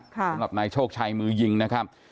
สำหรับนายโชคชัยมือยิงนะครับ